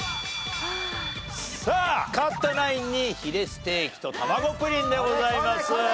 さあ勝ったナインにヒレステーキとたまごプリンでございます。